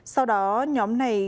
sau đó nhóm này